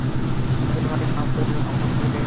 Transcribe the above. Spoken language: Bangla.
রাধে ভাই, মাফ করে দেও, আমার ভুল হয়ে গেছে!